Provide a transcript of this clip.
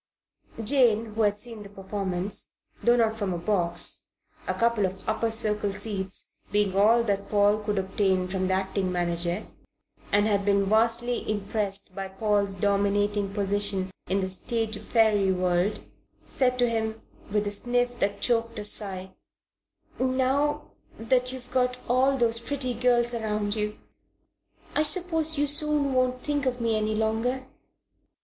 Jane, who had seen the performance, though not from a box, a couple of upper circle seats being all that Paul could obtain from the acting manager, and had been vastly impressed by Paul's dominating position in the stage fairy world, said to him, with a sniff that choked a sigh: "Now that you've got all those pretty girls around you, I suppose you soon won't think of me any longer?"